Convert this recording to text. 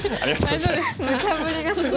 大丈夫ですか。